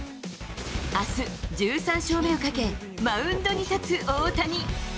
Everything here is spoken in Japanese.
あす、１３勝目をかけ、マウンドに立つ大谷。